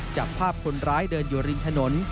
จับภาพคนร้ายเดินอยู่ริมถนน